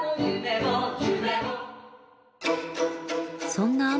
そんな亞